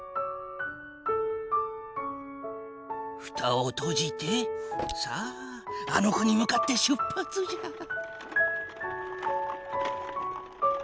ふたをとじてさああの子に向かって出発じゃ。